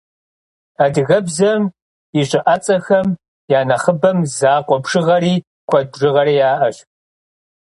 Адыгэбзэм и щыӏэцӏэхэм я нэхъыбэм закъуэ бжыгъэри, куэд бжыгъэри яӏэщ.